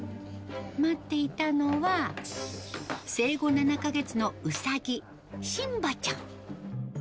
待っていたのは、生後７か月のウサギ、シンバちゃん。